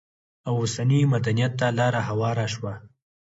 او اوسني مدنيت ته لار هواره شوه؛